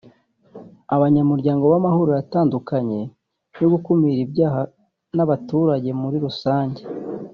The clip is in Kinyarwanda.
Abanyamuryango b’Amahuriro atandukanye yo gukumira ibyaha n’abaturage muri rusange